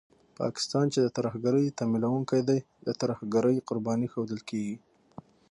پاکستان چې د ترهګرۍ تمويلوونکی دی، د ترهګرۍ قرباني ښودل کېږي